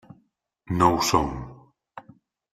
No ho som.